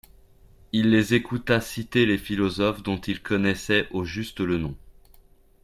Il les écouta citer les philosophes dont il connaissait au juste le nom.